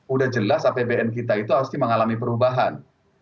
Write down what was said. udah jelas apbn kita itu pasti mengalami perubahan